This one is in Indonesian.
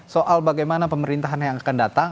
soal bagaimana pemerintahan yang akan datang